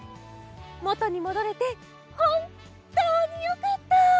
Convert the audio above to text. もとにもどれてほんとうによかった。